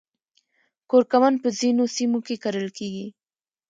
کورکمن په ځینو سیمو کې کرل کیږي